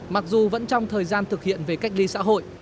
mặc dù vẫn trong thời gian thực hiện về cách ly xã hội